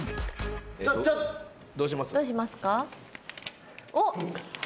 どうしますか？